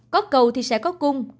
có cầu thì sẽ có cung